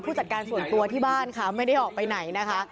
จัดการส่วนตัวที่บ้านค่ะไม่ได้ออกไปไหนนะคะ